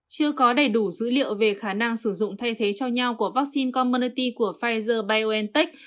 chưa có đầy đủ dữ liệu về khả năng sử dụng thay thế cho nhau của vaccine commernoty của pfizer biontech